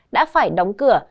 đã phải đóng cửa